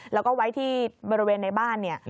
แล้วก็ไว้ที่บริเวณในบ้าน